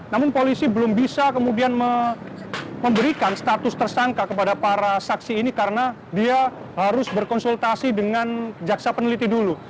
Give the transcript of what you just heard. namun polisi belum bisa kemudian memberikan status tersangka kepada para saksi ini karena dia harus berkonsultasi dengan jaksa peneliti dulu